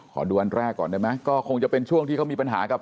ขอดูอันแรกก่อนได้ไหมก็คงจะเป็นช่วงที่เขามีปัญหากับ